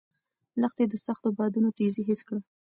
لښتې د سختو بادونو تېزي حس کړه.